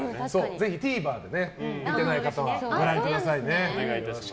ぜひＴＶｅｒで見てない方は見てくださいね。